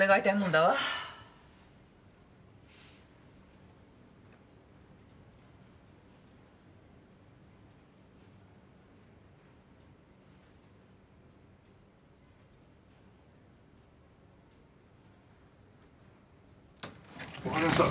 わかりました。